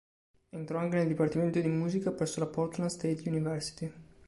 Entrò anche nel dipartimento di musica presso la Portland State University.